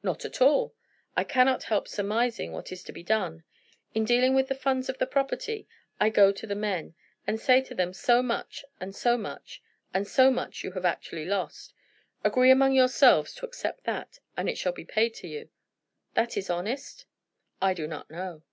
"Not at all. I cannot help surmising what is to be done. In dealing with the funds of the property I go to the men, and say to them so much, and so much, and so much you have actually lost. Agree among yourselves to accept that, and it shall be paid to you. That is honest?" "I do not know."